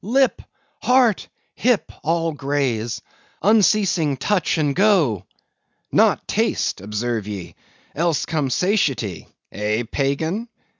lip! heart! hip! all graze: unceasing touch and go! not taste, observe ye, else come satiety. Eh, Pagan?